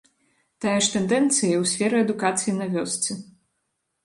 Тая ж тэндэнцыя і ў сферы адукацыі на вёсцы.